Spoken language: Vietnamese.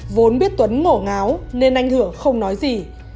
vốn biết tuấn ngổ ngáo nên anh hưởng không nói gì